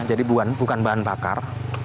jadi bukan bahan bakar